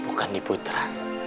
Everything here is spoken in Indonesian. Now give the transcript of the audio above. bukan di putra